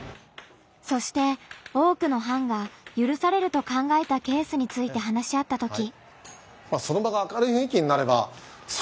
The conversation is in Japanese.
そして多くの班が「ゆるされる」と考えたケースについて話し合ったとき。